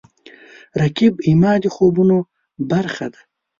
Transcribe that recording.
رقیب زما د خوبونو برخه ده